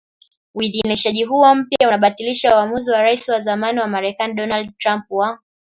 Uidhinishaji huo mpya unabatilisha uamuzi wa Rais wa zamani wa Marekani Donald Trump wa